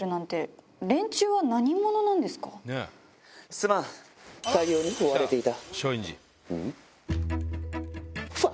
すまん対応に追われていた。